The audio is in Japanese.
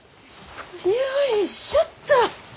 よいしょっと！